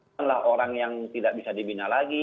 kanlah orang yang tidak bisa dibina lagi